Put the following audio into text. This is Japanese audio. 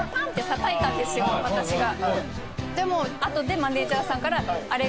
私が。